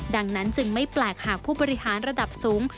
ดังนั้นจึงไม่แปลกหากผู้บริหารระดับสูง